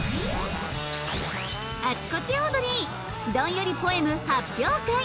『あちこちオードリー』どんよりポエム発表会。